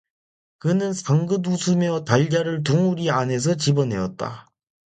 그는 상긋 웃으며 달걀을 둥우리 안에서 집어내었다.